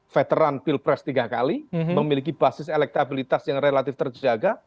veteran pilpres tiga kali memiliki basis elektabilitas yang relatif terjaga